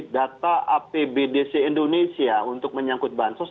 data apbdc indonesia untuk menyangkut bansos